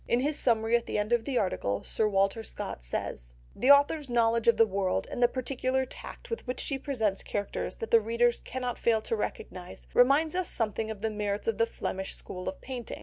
In his summary at the end of the article, Sir Walter Scott says— "The author's knowledge of the world and the peculiar tact with which she presents characters that the reader cannot fail to recognise, reminds us something of the merits of the Flemish school of painting.